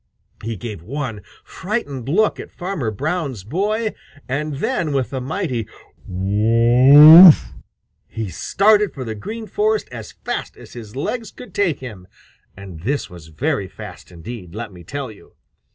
He gave one frightened look at Farmer Brown's boy, and then with a mighty "Woof!" he started for the Green Forest as fast as his legs could take him, and this was very fast indeed, let me tell you.